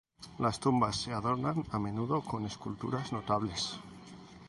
Las tumbas se adornan a menudo con esculturas notables.